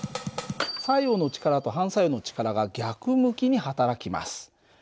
作用の力と反作用の力が逆向きにはたらきます。